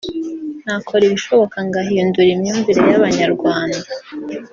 nakora ibishoboka ngahindura imyumvire y’Abanyarwanda